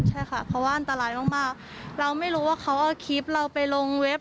ใช่ค่ะเพราะว่าอันตรายมากเราไม่รู้ว่าเขาเอาคลิปเราไปลงเว็บ